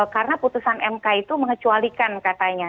karena putusan mk itu mengecualikan katanya